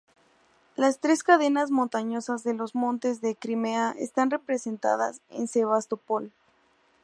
Las tres cadenas montañosas de los montes de Crimea están representadas en Sebastopol.